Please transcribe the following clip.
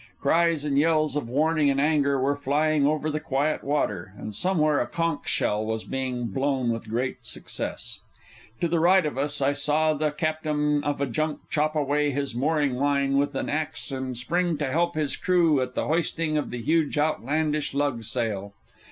Cries and yells of warning and anger were flying over the quiet water, and somewhere a conch shell was being blown with great success. To the right of us I saw the captain of a junk chop away his mooring line with an axe and spring to help his crew at the hoisting of the huge, outlandish lug sail.